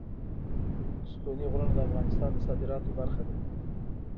ستوني غرونه د افغانستان د صادراتو برخه ده.